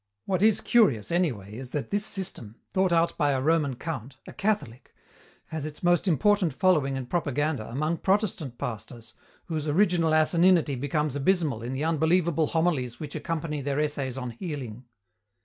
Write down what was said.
What is curious, anyway, is that this system, thought out by a Roman count, a Catholic, has its most important following and propaganda among Protestant pastors, whose original asininity becomes abysmal in the unbelievable homilies which accompany their essays on healing.